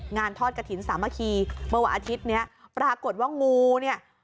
งานทอดกระถิ่นสามัคคีเมื่อวันอาทิตย์เนี้ยปรากฏว่างูเนี่ย